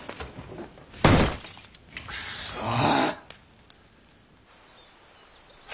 くそっ！